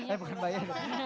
eh bukan mbak yeni